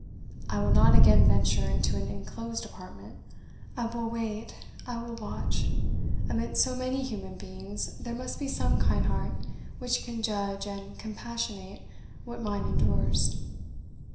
I will not again venture into an enclosed apartment. I will wait, I will watch; amidst so many human beings there must be some kind heart which can judge and compassionate what mine endures."